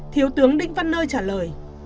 thiếu tướng đinh văn nơi trả lời